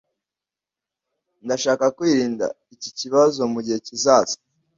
Ndashaka kwirinda iki kibazo mugihe kizaza